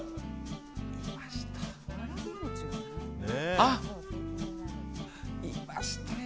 あ、いましたよ。